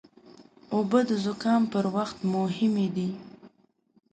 اوبه د زکام پر وخت مهمې دي.